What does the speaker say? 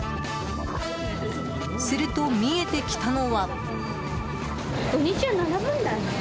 すると、見えてきたのは。